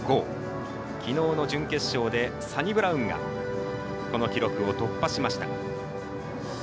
きのうの準決勝でサニブラウンがこの記録を突破しました。